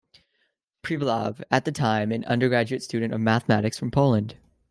"Privalov", at that time, an undergraduate student of mathematics from Poland.